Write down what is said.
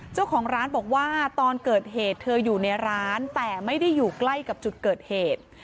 เจ้าของร้านบอกว่าตอนเกิดเหตุเธออยู่ในร้านแต่ไม่ได้อยู่ใกล้กับจุดเกิดเหตุ